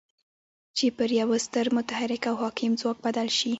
چې پر يوه ستر متحرک او حاکم ځواک بدل شي.